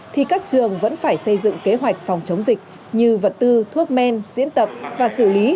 thì các trường vẫn phải xây dựng kế hoạch phòng chống dịch như vật tư thuốc men diễn tập và xử lý